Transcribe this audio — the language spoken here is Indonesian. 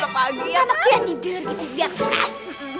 bisa tidur gitu biar pas